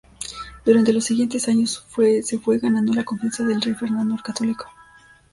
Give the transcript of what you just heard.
Durante los siguientes años se fue ganando la confianza del rey Fernando el Católico.